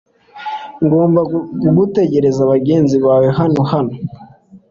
Ngomba gutegereza bagenzi bawe hano hano .